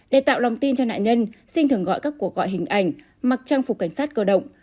để tạo lòng tin cho nạn nhân sinh thường gọi các cuộc gọi hình ảnh mặc trang phục cảnh sát cơ động